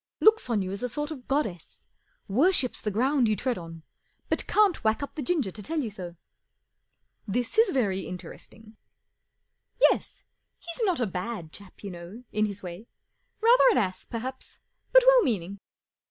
Looks on you as a sort of goddess. Worships the ground you tread on, but can't whack up the ginger to tell you so." " This is very interesting." " Yes. He's not a bad chap, you know, in his way. Rather an ass, perhaps, but well meaning.